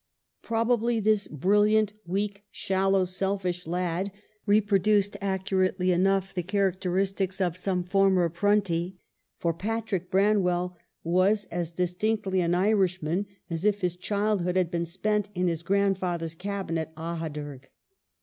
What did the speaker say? Probably this brilliant, weak, shallow, selfish lad reproduced accurately enough the characteristics of some former Prunty ; for Patrick Branwell was as distinctly an Irishman as if his childhood had been spent in his grandfather's cabin at Ahaderg.